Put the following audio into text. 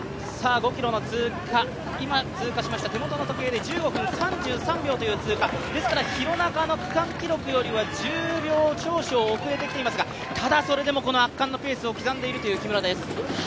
５ｋｍの通過、今、手元の時計で１５分３３秒という記録ですから廣中の区間新に１０秒少々遅れてきていますがただ、それでも圧巻のペースを刻んでいる木村です。